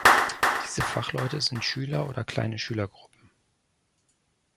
Diese Fachleute sind Schüler oder kleine Schülergruppen.